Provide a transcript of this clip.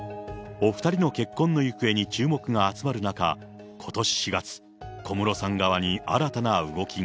お２人の結婚の行方に注目が集まる中、ことし４月、小室さん側に新たな動きが。